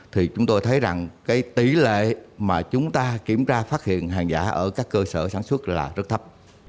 thì chúng tôi thấy rằng cái tỷ lệ mà chúng ta kiểm tra phát hiện hàng giả ở các cơ sở sản xuất là rất thấp